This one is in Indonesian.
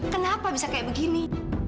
kenapa bisa kayak begini